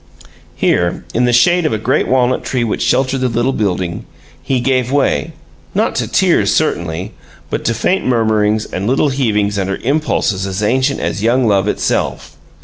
Here, in the shade of a great walnut tree which sheltered the little building, he gave way not to tears, certainly, but to faint murmurings and little heavings under impulses as ancient as young love itself.